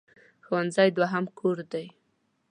ښوونځی دوهم کور دی.